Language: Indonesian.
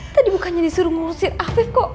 tadi bukannya disuruh ngurusin afif kok